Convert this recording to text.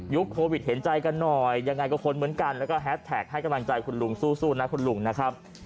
โควิดเห็นใจกันหน่อยยังไงก็คนเหมือนกันแล้วก็แฮสแท็กให้กำลังใจคุณลุงสู้นะคุณลุงนะครับ